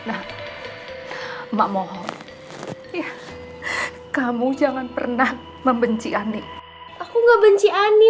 emak mohon kamu jangan pernah membenci ani aku nggak benci ani